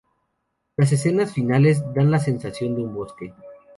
Las escenas finales dan la sensación de un bosque.